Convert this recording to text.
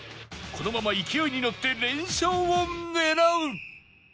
このまま勢いにのって連勝を狙う